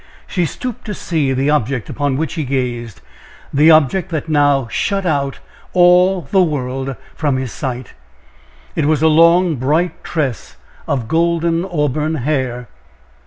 She stooped to see the object upon which he gazed the object that now shut out all the world from his sight it was a long bright tress of golden auburn hair.